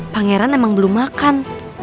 pangeran emang belum makan